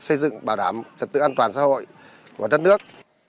xây dựng bảo đảm trật tự an toàn xã hội của đất nước